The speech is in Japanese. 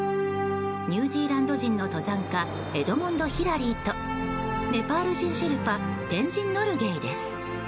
ニュージーランド人の登山家エドモンド・ヒラリーとネパール人シェルパテンジン・ノルゲイです。